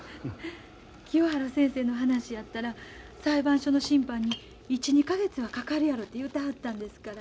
清原先生の話やったら裁判所の審判に１２か月はかかるやろて言うてはったんですから。